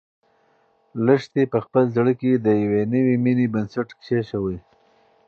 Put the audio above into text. لښتې په خپل زړه کې د یوې نوې مېنې بنسټ کېښود.